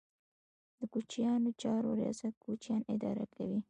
د کوچیانو چارو ریاست کوچیان اداره کوي